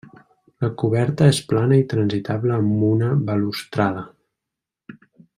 La coberta és plana i transitable amb una balustrada.